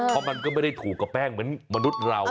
เพราะมันก็ไม่ได้ถูกกับแป้งเหมือนมนุษย์เรา